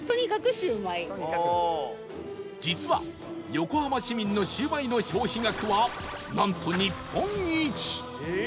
実は横浜市民のシュウマイの消費額はなんと日本一！